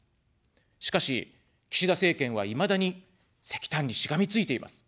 しかし、岸田政権はいまだに石炭にしがみついています。